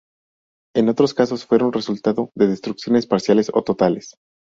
En otros casos fueron resultado de destrucciones parciales o totales.